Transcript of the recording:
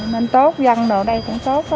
nên tốt dân ở đây cũng tốt